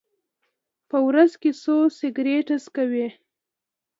په ورځ کې څو سګرټه څکوئ؟